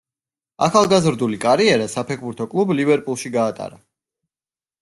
ახალგაზრდული კარიერა საფეხბურთო კლუბ „ლივერპულში“ გაატარა.